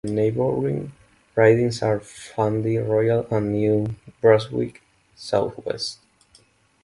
The neighbouring ridings are Fundy Royal and New Brunswick Southwest.